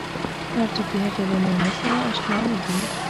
هر څوک د هغې له نامه سره اشنا نه دي.